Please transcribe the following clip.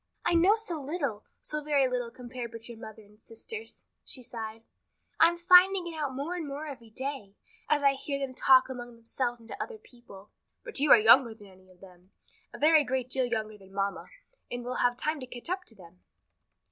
"I know so little, so very little compared with your mother and sisters," she sighed. "I'm finding it out more and more every day, as I hear them talk among themselves and to other people." "But you are younger than any of them, a very great deal younger than mamma, and will have time to catch up to them."